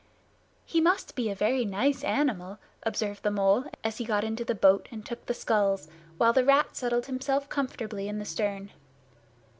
"He must be a very nice animal," observed the Mole, as he got into the boat and took the sculls, while the Rat settled himself comfortably in the stern.